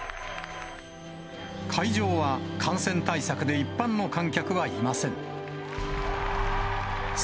会場は感染対策で一般の観客はいません。